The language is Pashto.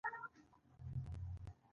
زړه ته د تېرو خاطراتو د لښکر مخه ده.